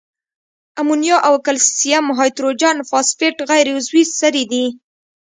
امونیا او کلسیم هایدروجن فاسفیټ غیر عضوي سرې دي.